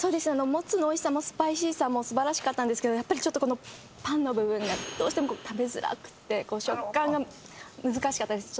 モツのおいしさもスパイシーさもすばらしかったんですけどやっぱりちょっとパンの部分がどうしても食べづらくて食感が難しかったです